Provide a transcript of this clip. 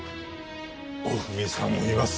おふみさんもいます。